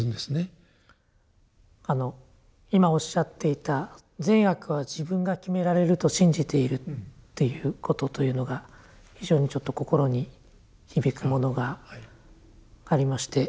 あの今おっしゃっていた善悪は自分が決められると信じているっていうことというのが非常にちょっと心に響くものがありまして。